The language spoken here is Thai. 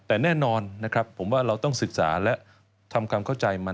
แต่แน่นอนนะครับผมว่าเราต้องศึกษาและทำความเข้าใจมัน